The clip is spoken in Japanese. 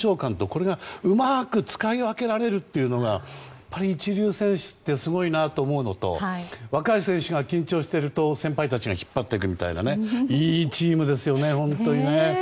これがうまく使い分けられるというのが一流選手ってすごいなって思うのと若い選手が緊張していると先輩たちが引っ張っていくみたいないいチームですよね、本当にね。